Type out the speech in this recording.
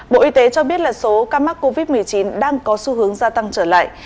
bộ y tế cho biết là số ca mắc covid một mươi chín đang có xu hướng gia tăng trở lại